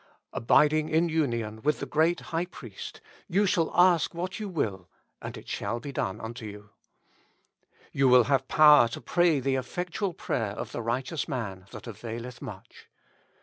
Abiding in union with the Great High Priest, " you shall ask what you will, and it shall be done unto you." You will have power 249 With Christ in the School of Prayer. to pray the effectual prayer of the righteous man that availeth much.